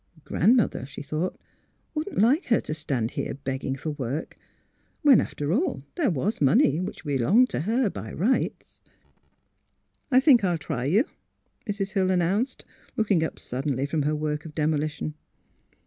Grandmother (she thought) would not like her to stand here begging for work, when, after all, there was money, which belonged to her by right. ...*' I think I'll try you," Mrs. Hill announced, looking up suddenly from her work of demolition.